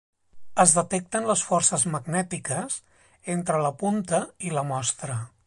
Es detecten les forces magnètiques entre la punta i la mostra.